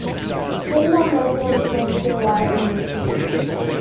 Thirty-one residents lost their lives in this city.